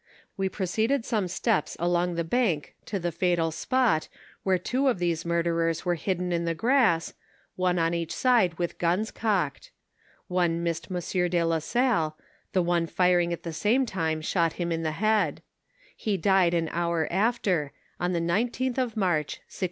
"We proceeded some steps along the bank to the fatal spot, where two of these murderers were hidden in the grass, one on each side with guns cocked ; one missed Monsieur de la Salle, the one firing at the same time shot him in the head ; he died an hour after, on the 19th of March, 1687.